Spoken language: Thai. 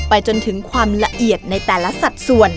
จนถึงความละเอียดในแต่ละสัดส่วน